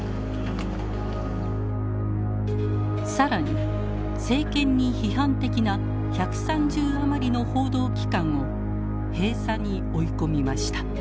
更に政権に批判的な１３０余りの報道機関を閉鎖に追い込みました。